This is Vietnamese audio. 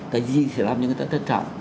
cái gì sẽ làm cho người ta thất trọng